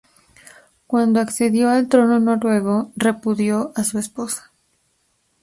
Cuando accedió al trono noruego, repudió a su esposa.